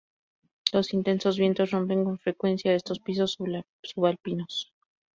Los intensos vientos rompen con frecuencia estos pisos subalpinos.